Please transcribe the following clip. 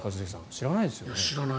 知らないですよね。